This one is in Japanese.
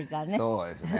そうですね。